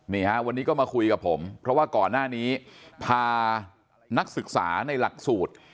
นี่ฮะวันนี้ก็มาคุยกับผมเพราะว่าก่อนหน้านี้พานักศึกษาในหลักสูตร